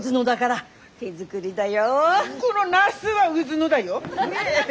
このナスはうぢのだよ。